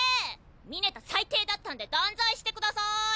峰田最低だったんで断罪して下さい。